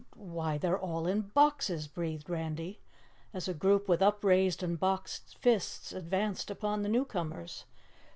Why, they're all in boxes!" breathed Randy, as a group with upraised and boxed fists advanced upon the newcomers.